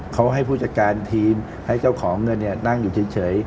เขาให้ผู้จัดการทีมให้เจ้าของเงินนั่งอยู่เฉย